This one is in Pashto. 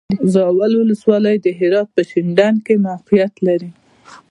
زاول ولسوالی د هرات په شینډنډ کې موقعیت لري.